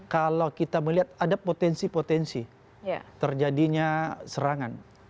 kalau kita melihat ada potensi potensi terjadinya serangan